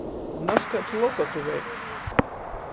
Nazkaids lokotu veikšs.